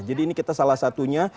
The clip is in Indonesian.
jadi ini kita salah satunya